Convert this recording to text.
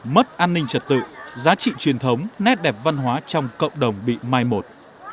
mất an ninh trật tự giá trị truyền thống nét đẹp văn hóa trong cộng đồng bị mai một